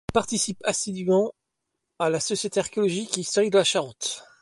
Il participe assidûment à la Société archéologique et historique de la Charente.